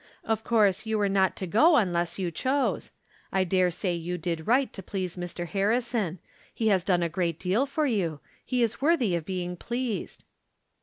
Of course j ou were not to go unless you chose. I dare say you did right to please Mr. Harrison. He has done a great deal for you ; he is worthy of being pleased."